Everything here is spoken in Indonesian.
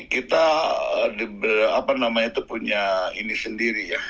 kita punya ini sendiri ya